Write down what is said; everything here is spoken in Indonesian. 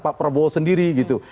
pak prabowo sendiri gitu